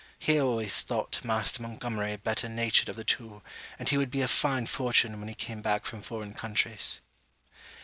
He always thought Master Montgomery better natured of the two, and he would be a fine fortune when he came back from foreign countries.